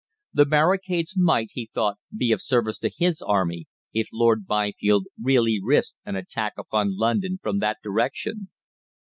The barricades might, he thought, be of service to his army if Lord Byfield really risked an attack upon London from that direction.